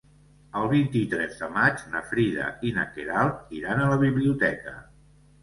El vint-i-tres de maig na Frida i na Queralt iran a la biblioteca.